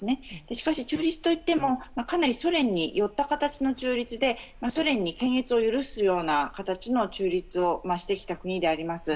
しかし中立といってもかなりソ連に寄った形の中立でソ連に検閲を許すような形の中立をしてきた国であります。